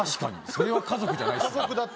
それは家族じゃないですね。